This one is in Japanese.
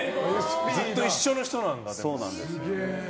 ずっと一緒の人なんだ。